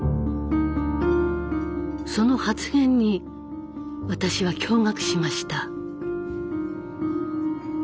その発言に私は驚愕しました。